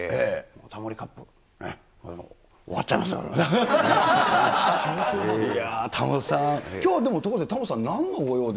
タモリカップ、終わっちゃいタモさん、きょう、でもところでタモさん、なんのご用で？